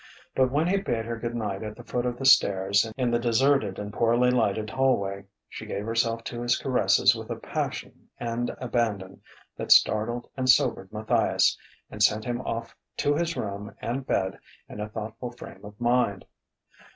But when he bade her good night at the foot of the stairs in the deserted and poorly lighted hallway, she gave herself to his caresses with a passion and abandon that startled and sobered Matthias, and sent him off to his room and bed in a thoughtful frame of mind.